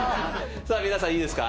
皆さんいいですか？